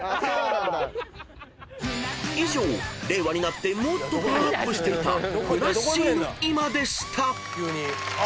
［以上令和になってもっとパワーアップしていたふなっしーの今でした］